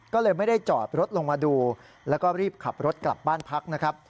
ก็เลยไม่ได้จอดรถลงมาดูแล้วก็รีบขับรถกลับบ้านพักนะครับ